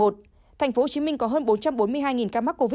tp hcm có hơn bốn trăm bốn mươi hai ca mắc covid một mươi chín